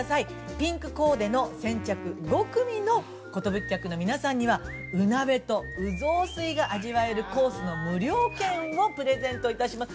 ピンクコーデの先着５組の寿客の皆さんには、うなべと、うぞふすいが味わえるコースの無料券をプレゼントいたします。